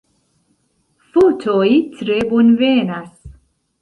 Fotoj tre bonvenas.